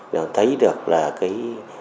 để thấy được là cái